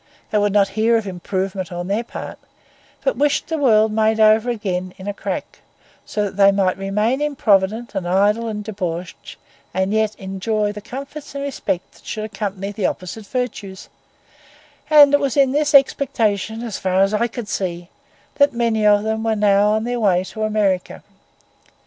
They would not hear of improvement on their part, but wished the world made over again in a crack, so that they might remain improvident and idle and debauched, and yet enjoy the comfort and respect that should accompany the opposite virtues; and it was in this expectation, as far as I could see, that many of them were now on their way to America.